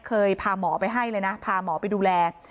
เคยพาหมอไปให้เลยนะพาหมอไปดูแล